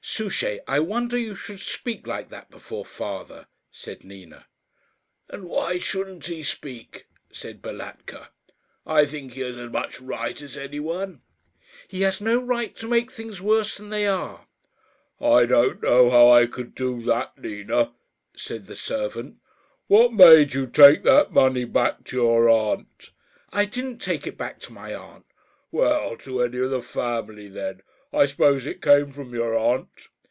"Souchey, I wonder you should speak like that before father," said Nina. "And why shouldn't he speak?" said Balatka. "I think he has as much right as any one." "He has no right to make things worse than they are." "I don't know how I could do that, Nina," said the servant. "What made you take that money back to your aunt?" "I didn't take it back to my aunt." "Well, to any of the family then? I suppose it came from your aunt?"